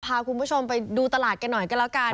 พาคุณผู้ชมไปดูตลาดกันหน่อยก็แล้วกัน